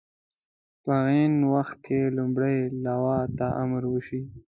په عین وخت کې لومړۍ لواء ته امر وشي.